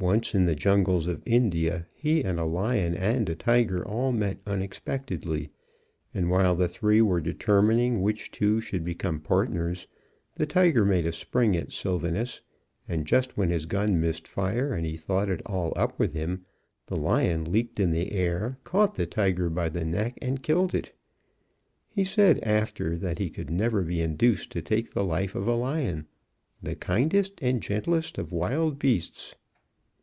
Once in the jungles of India he and a lion and a tiger all met unexpectedly, and, while the three were determining which two should become partners, the tiger made a spring at Sylvenus, and just when his gun missed fire and he thought it all up with him, the lion leaped in the air, caught the tiger by the neck, and killed it. He said after that he never could be induced to take the life of a lion, "the kindest and gentlest of wild beasts."